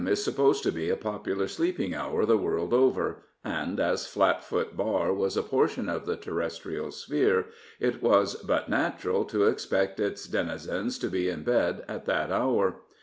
is supposed to be a popular sleeping hour the world over, and as Flatfoot Bar was a portion of the terrestrial sphere, it was but natural to expect its denizens to be in bed at that hour.